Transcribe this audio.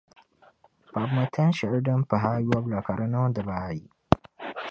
kpabimi tan’ shɛli din pah’ ayɔbu la ka di niŋ dib’ ayi.